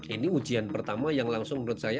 ini ujian pertama yang langsung menurut saya